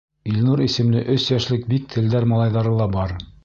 Илнур исемле өс йәшлек бик телдәр малайҙары ла бар.